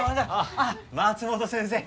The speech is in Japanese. あっ松本先生